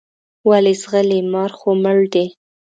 ولې ځغلې مار خو مړ دی.